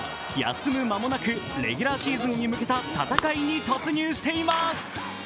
休む間もなくレギュラーシーズンに向けた戦いに突入しています。